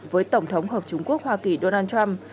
với tổng thống hợp chúng quốc hoa kỳ donald trump